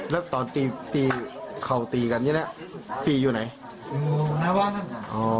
แล้วตอนตีตีเขาตีกันนี่น่ะตีอยู่ไหนอยู่หน้าบ้านน่ะอ๋อ